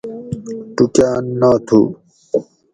ٹوکاۤن ناتھو